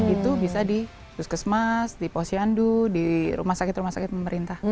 itu bisa di puskesmas di posyandu di rumah sakit rumah sakit pemerintah